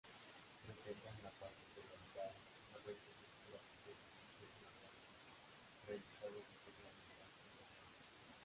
Presentan la particularidad de restos epigráficos de tipo funerario realizados sobre grandes cantos rodados.